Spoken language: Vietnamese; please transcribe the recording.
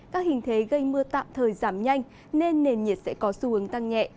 các hình thế gây mưa tạm thời giảm nhanh nên nền nhiệt sẽ có xu hướng tăng nhẹ